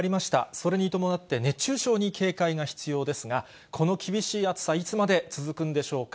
それに伴って、熱中症に警戒が必要ですが、この厳しい暑さ、いつまで続くんでしょうか。